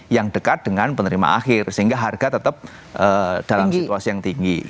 yang dekat dengan penerima akhir sehingga harga tetap dalam situasi yang tinggi